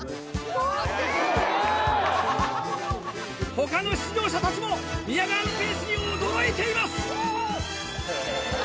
他の出場者たちも宮川のペースに驚いています！